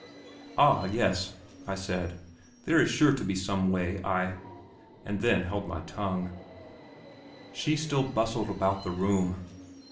"Ah, yes," I said, "there is sure to be some way!" and then held my tongue. She still bustled about the room.